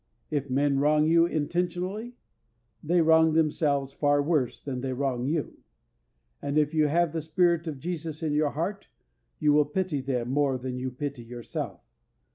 If men wrong you intentionally, they wrong themselves far worse than they wrong you; and if you have the spirit of Jesus in your heart you will pity them more than you pity yourself.